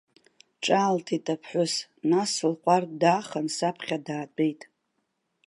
Ҿаалҭит аԥҳәыс, нас, лҟәардә даахан, саԥхьа даатәеит.